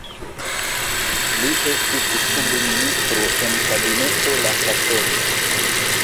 Li estis subministro en Kabineto Lakatos.